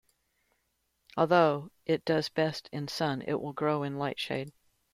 Although it does best in sun, it will grow in light shade.